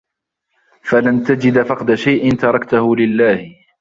فَلَنْ تَجِدَ فَقْدَ شَيْءٍ تَرَكْتَهُ لِلَّهِ